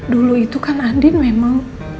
dulu itu kan andin memang